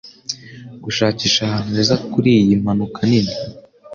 gushakisha ahantu heza kuriyi mpanuka nini